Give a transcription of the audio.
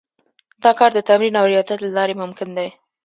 دا کار د تمرين او رياضت له لارې ممکن دی.